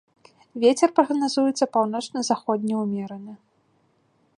Вецер прагназуецца паўночна-заходні ўмераны.